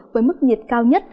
với mức nhiệt cao nhất